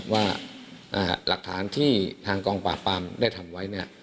ว่าหลักฐานที่ทางกองปราบปรามได้ทำไว้